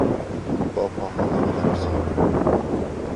با پاهای لرزان